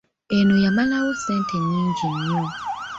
Eno yamalawo ssente nnyingi nnyo.